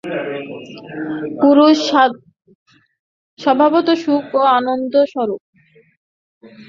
পুরুষ স্বভাবত সুখ ও আনন্দ-স্বরূপ।